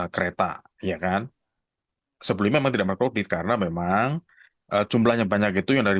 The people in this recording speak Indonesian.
kereta ya kan sebelumnya memang tidak berkoudit karena memang jumlahnya banyak itu yang dari